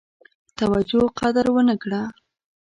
توجه قدر ونه کړه.